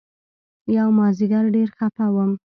يومازديگر ډېر خپه وم.